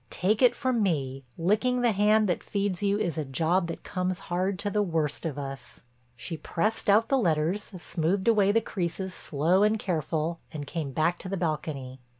Take it from me, licking the hand that feeds you is a job that comes hard to the worst of us. She pressed out the letters, smoothed away the creases slow and careful and came back to the balcony.